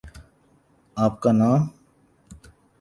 آپ کا نام؟